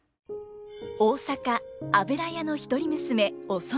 大坂油屋の一人娘お染。